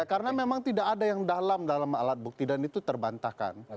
karena memang tidak ada yang dalam dalam alat bukti dan itu terbantahkan